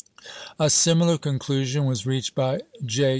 A similar conclusion was reached by J.